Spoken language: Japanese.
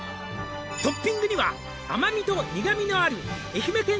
「トッピングには甘みと苦味のある」